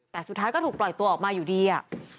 แต่สุดท้ายก็ถูกปล่อยตัวออกมาอยู่ดีอ่ะ